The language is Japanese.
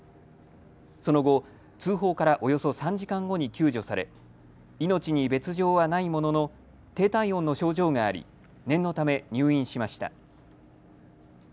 その後、通報からおよそ３時間後に救助され命に別状はないものの低体温の症状があり念のため入院しました。